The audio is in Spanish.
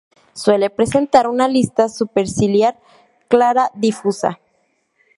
Suele presentar una lista superciliar clara difusa.